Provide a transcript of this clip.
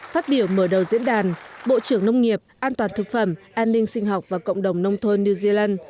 phát biểu mở đầu diễn đàn bộ trưởng nông nghiệp an toàn thực phẩm an ninh sinh học và cộng đồng nông thôn new zealand